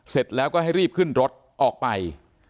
เสร็จแล้วก็ให้รีบขึ้นรถออกไป